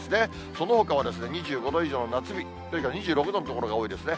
そのほかは２５度以上の夏日というか、２６度の所が多いですね。